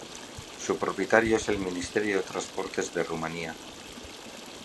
Su propietario es el Ministerio de Transportes de Rumanía.